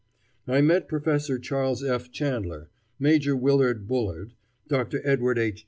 I met Professor Charles F. Chandler, Major Willard Bullard, Dr. Edward H.